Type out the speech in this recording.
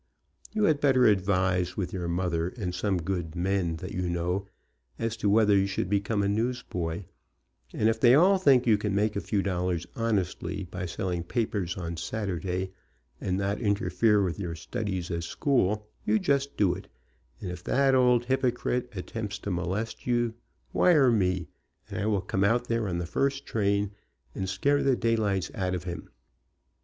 You had better advise with your mother, and some good men that you know, as to whether you should become a newsboy, and if they all think you can make a few dollars honestly by sell ing papers on Saturday, and not interfere with your studies at school, you just do it, and if that old hypo crite attempts to molest you, wire me, and I will come out there on the first train and scare the daylights out of him.